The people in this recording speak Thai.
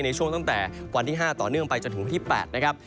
ในช่วงตั้งแต่วันที่๕ต่อเนื่องไปจนถึงวันที่๘นะครับ